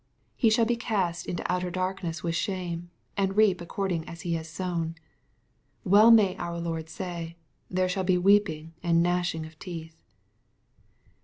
He shall be cast into outer darkness with shame, and reap according as he has sown. Well may our Lord say, " there shall be weeping and gnashing of teeth.''